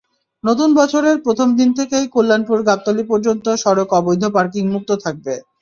নতুন বছরের প্রথম দিন থেকেই কল্যাণপুর-গাবতলী পর্যন্ত সড়ক অবৈধ পার্কিং মুক্ত থাকবে।